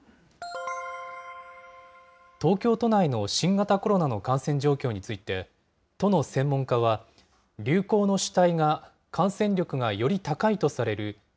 東京都内の新型コロナの感染状況について、都の専門家は、流行の主体が感染力がより高いとされるＢＡ．